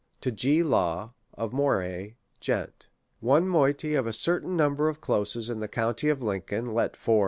to G. Law, of JMorehay, Gent. £. s. d. One moiety of a certain number of Closes in the County of Lincoln, let for